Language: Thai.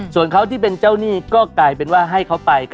ส่วนเขาที่เป็นเจ้าหนี้ก็กลายเป็นว่าให้เขาไป